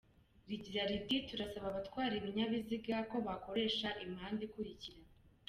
Rigira riti “Turasaba abatwara ibinyabiziga ko bakoresha imihanda ikurikira.